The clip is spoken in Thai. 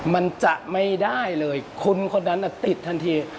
มันจะไม่ได้เลยคุณคนนั้นติดทันที